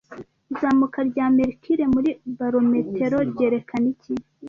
Izamuka rya mercure muri barometero ryerekana iki